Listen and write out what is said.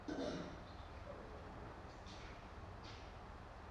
Víte, že Komise na tuto situaci zareagovala rychle.